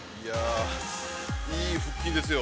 ◆いい腹筋ですよ。